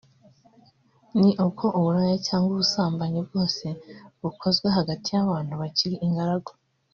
ni uko uburaya cyangwa ubusambanyi bwose bukozwe hagati y’abantu bakiri ingaragu